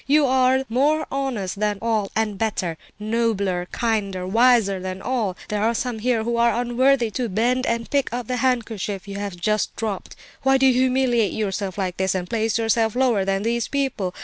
You are more honest than all, and better, nobler, kinder, wiser than all. There are some here who are unworthy to bend and pick up the handkerchief you have just dropped. Why do you humiliate yourself like this, and place yourself lower than these people?